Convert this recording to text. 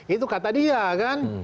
itu kata dia kan